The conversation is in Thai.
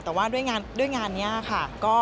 แต่ว่าด้วยงานนี้ค่ะ